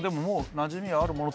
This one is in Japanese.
なじみのあるもの？